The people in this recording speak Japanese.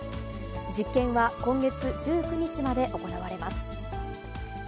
実験は今月１９日まで行われます。